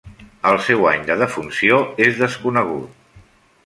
El seu any de defunció és desconegut.